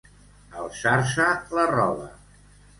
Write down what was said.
Alçar-se la roba.